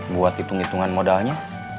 buat hitung hitungan modalnya